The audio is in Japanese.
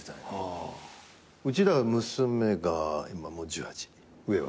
うちだから娘が今もう１８上は。